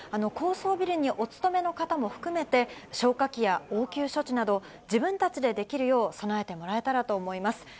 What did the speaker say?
高層ビルにお勤めの方も含めて、消火器や応急処置など、自分たちでできるよう、備えてもらえたらと思います。